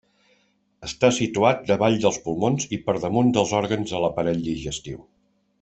Està situat davall dels pulmons i per damunt dels òrgans de l'aparell digestiu.